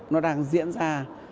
nó đang diễn ra